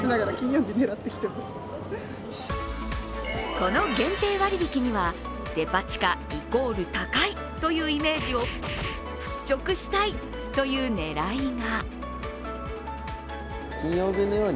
この限定割引にはデパ地下＝高いというイメージを払拭したいという狙いが。